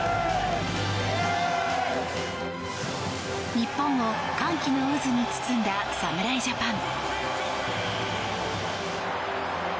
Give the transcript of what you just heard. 日本を歓喜の渦に包んだ侍ジャパン。